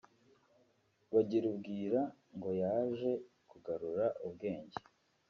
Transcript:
Bagirubwira ngo yaje kugarura ubwenge